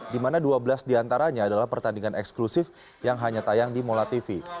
di mana dua belas di antaranya adalah pertandingan eksklusif yang hanya tayang di molatv